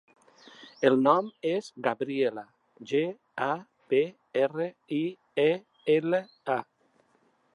El nom és Gabriela: ge, a, be, erra, i, e, ela, a.